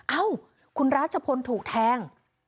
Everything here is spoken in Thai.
เอ้าคุณราชพลถูกแทง